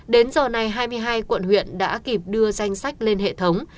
đến giờ này hai mươi hai quận huyện đã kịp đưa danh sách lên hệ thống